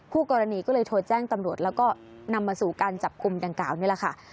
คู่กรณีก็เลยโทรแจ้งตำรวจแล้วก็นำมาสู่การจับกลุ่มดังกล่าวนี่แหละค่ะ